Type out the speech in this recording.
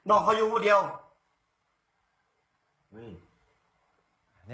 โอเคหรอ